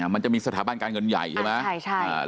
มันจะมีสถาบันการเงินใหญ่ใช่ไหม